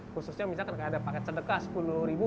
khususnya misalkan ada paket sedekah sepuluh ribu